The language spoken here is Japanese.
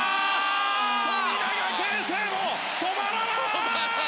富永啓生も止まらない！